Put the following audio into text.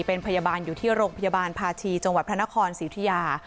เป็นพยาบาลอยู่ที่โรงพยาบาลภาชีจังหวัดพระนครศรีอุทิยา